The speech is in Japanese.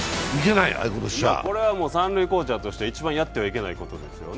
これはもう、三塁コーチャーとして一番やっちゃいけないことです。